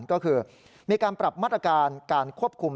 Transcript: ก็คือมีการปรับมาตรการการควบคุม